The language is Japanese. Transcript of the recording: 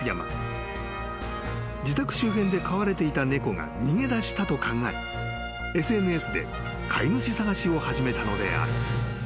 ［自宅周辺で飼われていた猫が逃げ出したと考えＳＮＳで飼い主捜しを始めたのである］